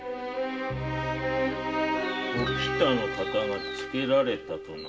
「お喜多の方がつけられた」と？